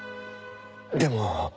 でも。